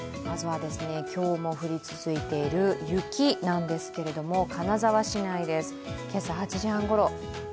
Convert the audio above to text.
まずは今日も降り続いている雪なんですけれども、金沢市内です、今朝８時半ごろ。